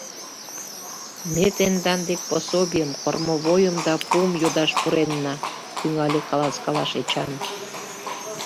— Ме тендан дек пособийым, кормовойым да пуым йодаш пуренна, — тӱҥале каласкалаш Эчан.